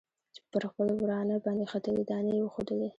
پر خپل ورانه باندې ختلي دانې یې وښودلې.